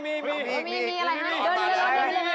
มีอะไรนะเดินไปรอ